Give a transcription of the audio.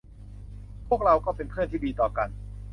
พวกเราเป็นเพื่อนที่ดีต่อกัน